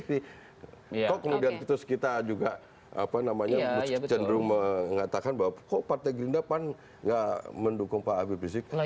kok kemudian terus kita juga cenderung mengatakan bahwa kok partai gelindra pak nggak mendukung pak biprisik